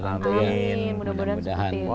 amin mudah mudahan seperti itu